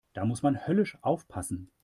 Da muss man höllisch aufpassen.